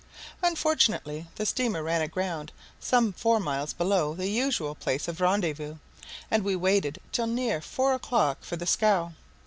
Unfortunately, the steamer ran aground some four miles below the usual place of rendezvous, and we waited till near four o'clock for the scow.